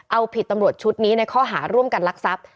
เอาผิดตำรวจชุดนี้ในข้อหาร่วมกันลักทรัพย์